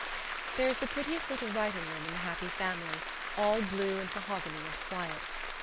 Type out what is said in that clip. There is the prettiest little writing room in "The Happy Family," all blue and mahogany and quiet.